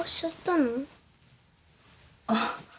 あっ。